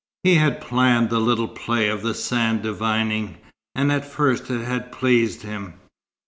He had planned the little play of the sand divining, and at first it had pleased him.